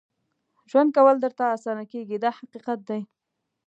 ژوند کول درته اسانه کېږي دا حقیقت دی.